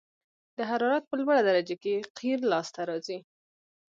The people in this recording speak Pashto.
د حرارت په لوړه درجه کې قیر لاسته راځي